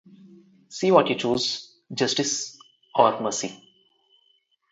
See what you choose: justice or mercy.